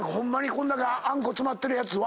こんだけあんこ詰まってるやつは。